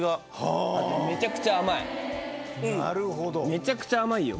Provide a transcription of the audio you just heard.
めちゃくちゃ甘いよ。